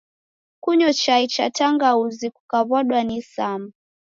Kunyo chai cha tangauzi kukaw'adwa ni isama.